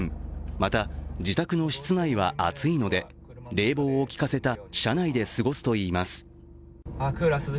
また、自宅の室内は暑いので冷房を効かせた車内で過ごすといいます。